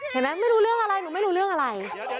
ไม่รู้เรื่องอะไรหนูไม่รู้เรื่องอะไร